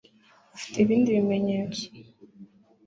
afite ibindi bimenyetso.